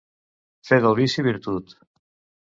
Fer del vici virtut.